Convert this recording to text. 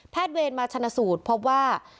แพทย์เวรมาชนะสูตรพบว่า